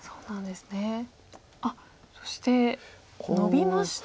あっそしてノビました。